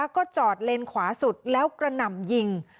ก็จอดเลนขวาสุดแล้วกระหน่ำยิง